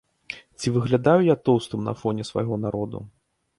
Ці выглядаю я тоўстым на фоне свайго народу?